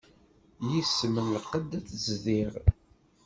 Yis-m lqedd ad t-zdiɣ.